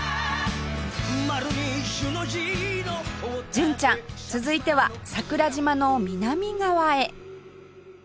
純ちゃん続いては桜島の南側へ